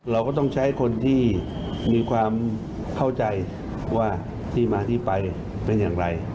เราก็ต้องใช้คนที่มีความเข้าใจว่าที่มาที่ไปเป็นอย่างไร